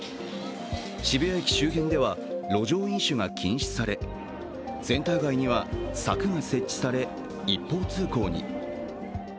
渋谷駅周辺では路上飲酒が禁止されセンター街には柵が設置され一方通行に。